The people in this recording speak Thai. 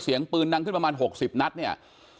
เสียงปืนดังขึ้นประมาณ๖๐นัดเนี่ย